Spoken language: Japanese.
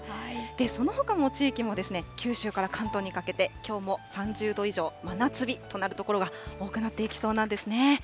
そのほかの地域も、九州から関東にかけて、きょうも３０度以上、真夏日となる所が多くなっていきそうなんですね。